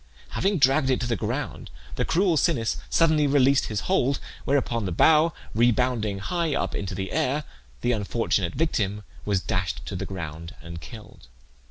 Having dragged it to the ground, the cruel Sinnis suddenly released his hold, whereupon the bough rebounding high up into the air, the unfortunate victim was dashed to the ground and killed.